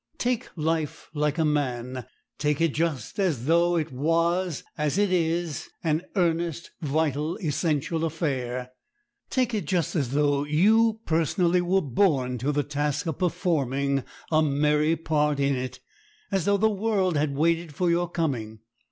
Take life like a man; take it just as though it was as it is—an earnest, vital, essential affair. Take it just as though you personally were born to the task of performing a merry part in it—as though the world had waited for your coming.